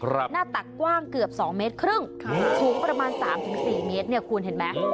หน้าตักกว้างเกือบ๒เมตรครึ่งสูงประมาณ๓๔เมตรเนี่ยคุณเห็นไหม